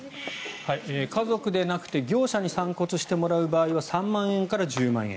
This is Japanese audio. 家族でなくて業者に散骨してもらう場合は３万円から１０万円。